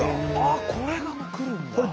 あっこれが来るんだ。